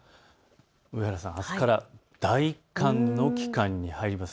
上原さん、あすから大寒の期間に入ります。